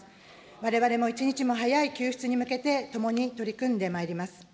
われわれも一日も早い救出に向けて共に取り組んでまいります。